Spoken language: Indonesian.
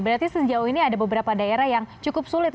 berarti sejauh ini ada beberapa daerah yang cukup sulit